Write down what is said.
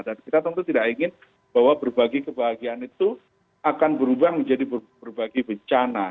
dan kita tentu tidak ingin bahwa berbagi kebahagiaan itu akan berubah menjadi berbagi bencana